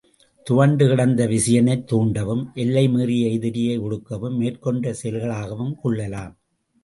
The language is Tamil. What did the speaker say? துவண்டு கிடந்த விசயனைத் தூண்டவும் எல்லை மீறிய எதிரியை ஒடுக்கவும் மேற்கொண்ட செயல்களாகவும் கொள்ளலாம்.